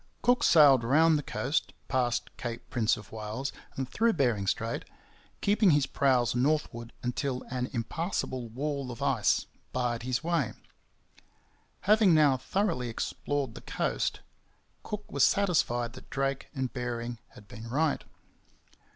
Cook sailed round the coast, past Cape Prince of Wales and through Bering Strait, keeping his prows northward until an impassable wall of ice barred his way. Having now thoroughly explored the coast, Cook was satisfied that Drake and Bering had been right.